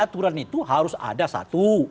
aturan itu harus ada satu